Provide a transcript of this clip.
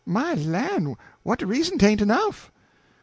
"My lan', what de reason 'tain't enough?"